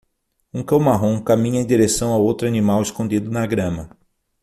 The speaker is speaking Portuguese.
Um cão marrom caminha em direção a outro animal escondido na grama.